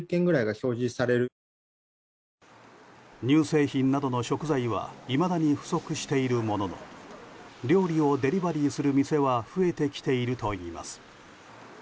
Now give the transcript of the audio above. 乳製品などの食材はいまだに不足しているものの料理をデリバリーする店は増えてきているといいます。